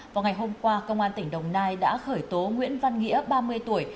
vào ngày hôm qua công an tỉnh đồng nai đã khởi tố nguyễn văn nghĩa ba mươi tuổi